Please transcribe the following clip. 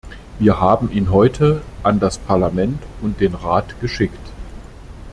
Wir haben ihn heute an das Parlament und den Rat geschickt.